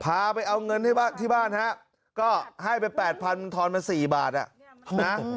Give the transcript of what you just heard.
พาไปเอาเงินให้ที่บ้านฮะก็ให้ไปแปดพันทอนมา๔บาทอ่ะนะ